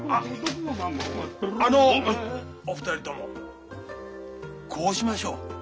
ああのお二人ともこうしましょう。